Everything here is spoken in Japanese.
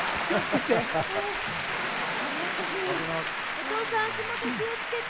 お父さん足元気を付けて！